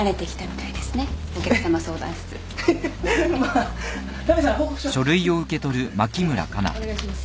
あっお願いします。